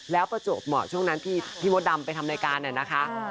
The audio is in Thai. แล้วประจวบเหมาะช่วงนั้นที่พี่มดดำไปทำรายการน่ะนะคะ